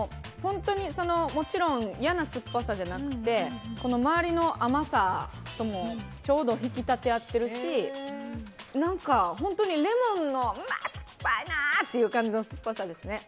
もちろん嫌な酸っぱさじゃなくて周りの甘さともちょうど引き立て合ってるし本当にレモンのうわー酸っぱいなーって感じの酸っぱさですね。